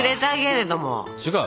違う？